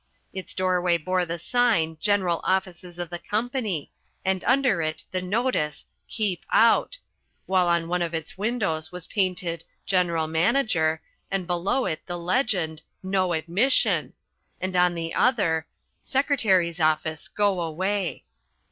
Its doorway bore the sign GENERAL OFFICES OF THE COMPANY, and under it the notice KEEP OUT, while on one of its windows was painted GENERAL MANAGER and below it the legend NO ADMISSION, and on the other, SECRETARY'S OFFICE: GO AWAY.